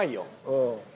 うん。